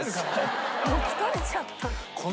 もう疲れちゃった。